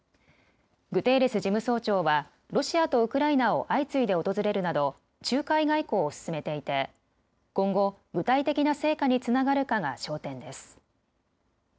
グテーレス事務総長はロシアとウクライナを相次いで訪れるなど仲介外交を進めていて今後、具体的な成果につながるかが焦点です。